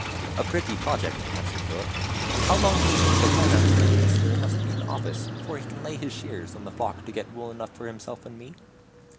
"A pretty project," answered Philip; "and how long do you think a finance minister must be in office before he can lay his shears on the flock to get wool enough for himself and me?"